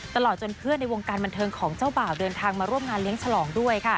ตลอดจนเพื่อนในวงการบันเทิงของเจ้าบ่าวเดินทางมาร่วมงานเลี้ยงฉลองด้วยค่ะ